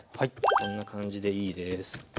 こんな感じでいいです。